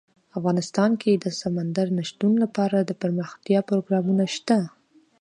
افغانستان کې د سمندر نه شتون لپاره دپرمختیا پروګرامونه شته.